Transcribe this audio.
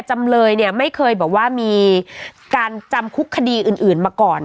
จำเลยเนี่ยไม่เคยบอกว่ามีการจำคุกคดีอื่นมาก่อน